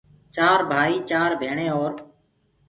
چار ڀائيٚ، چآر ڀيڻي اور